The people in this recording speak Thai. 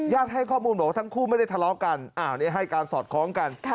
ให้ข้อมูลบอกว่าทั้งคู่ไม่ได้ทะเลาะกันให้การสอดคล้องกัน